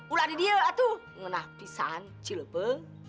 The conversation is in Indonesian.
ulari dia itu mengenal pisan cilpe